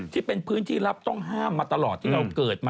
ที่เป็นพื้นที่รับต้องห้ามมาตลอดที่เราเกิดมา